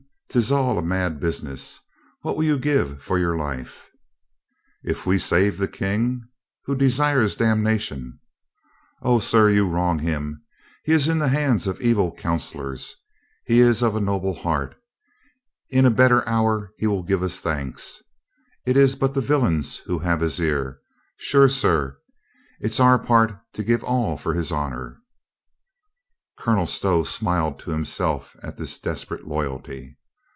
" 'Tis all a mad bus iness. What will you give for your life?" "If we save the King —" "Who desires damnation." "O, sir, you wrong him. He is in the hands of evil counselors. He is of a noble heart. In a better hour he will give us thanks. It is but the villains who have his ear. Sure, sir, it's our part to give all for his honor." Colonel Stow smiled to himself at this desperate loyalty.